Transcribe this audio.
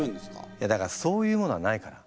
いやだからそういうものはないから。